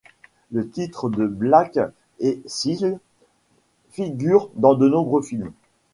Le titre de Blake et Sissle figure dans de nombreux films.